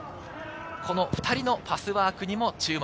２人のパスワークにも注目。